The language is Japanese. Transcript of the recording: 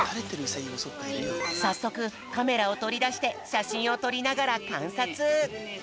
さっそくカメラをとりだしてしゃしんをとりながらかんさつ！